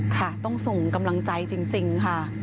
ค่ะต้องส่งกำลังใจจริงค่ะ